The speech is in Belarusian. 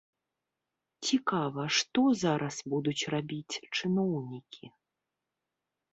Цікава, што зараз будуць рабіць чыноўнікі?